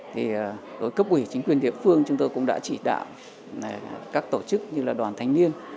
thì với cấp ủy chính quyền địa phương chúng tôi cũng đã chỉ đạo các tổ chức như là đoàn thanh niên